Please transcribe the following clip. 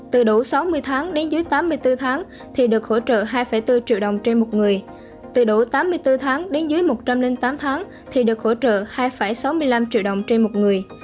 từ đủ tám mươi bốn tháng đến dưới một trăm linh tám tháng thì được hỗ trợ hai sáu mươi năm triệu đồng trên một người